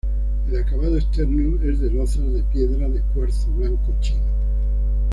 El acabado externo es de lozas de piedra de cuarzo blanco chino.